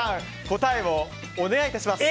答えをお願い致します。